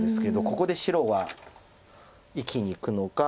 ここで白は生きにいくのか。